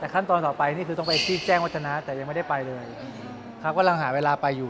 แต่ขั้นตอนต่อไปนี่คือต้องไปที่แจ้งวัฒนาแต่ยังไม่ได้ไปเลยเขากำลังหาเวลาไปอยู่